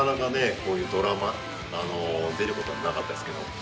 こういうドラマ出ることはなかったですけど